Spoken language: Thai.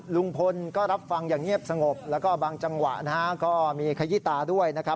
ลุงพลก็รับฟังอย่างเงียบสงบแล้วก็บางจังหวะนะฮะก็มีขยี้ตาด้วยนะครับ